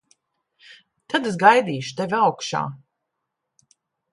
Tad es gaidīšu tevi augšā.